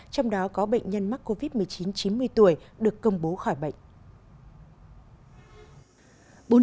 trong đó có bệnh nhân mắc covid một mươi chín chín mươi tuổi được công bố khỏi bệnh